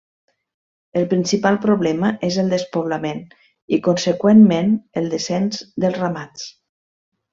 El principal problema és el despoblament i conseqüentment el descens dels ramats.